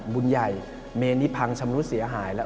บุญใหญ่เมนนี้พังชำรุดเสียหายแล้ว